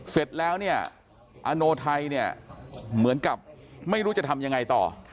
เสร็จแล้วเนี่ยอโนไทยเนี่ยเหมือนกับไม่รู้จะทำยังไงต่อ